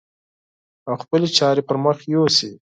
او خپلې چارې پر مخ يوسي.